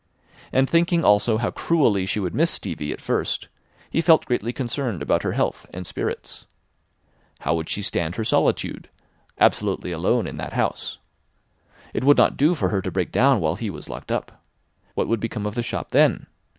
And thinking also how cruelly she would miss Stevie at first, he felt greatly concerned about her health and spirits. How would she stand her solitude—absolutely alone in that house? It would not do for her to break down while he was locked up? What would become of the shop then?